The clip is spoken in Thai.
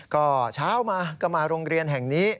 ก็เช้ามาก็มาโรงเรียนแห่งนี้